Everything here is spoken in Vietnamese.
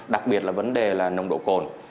đặc biệt là vấn đề là nồng độ cồn